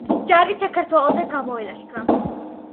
ჯარით საქართველოზე გამოილაშქრა.